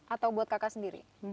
atau buat kaka sendiri